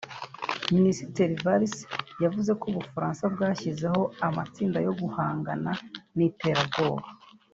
Minisitiri Valls yavuze ko u Bufaransa bwashyizeho amatsinda yo guhangana n’iterabwoba